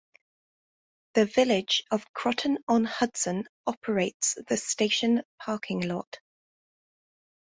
The Village of Croton-on-Hudson operates the station parking lot.